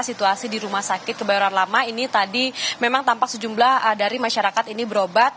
situasi di rumah sakit kebayoran lama ini tadi memang tampak sejumlah dari masyarakat ini berobat